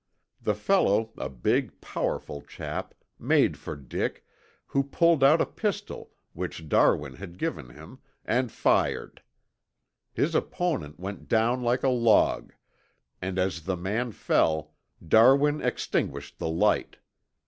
The fellow, a big, powerful chap, made for Dick, who pulled out a pistol which Darwin had given him, and fired. His opponent went down like a log, and as the man fell, Darwin extinguished the light.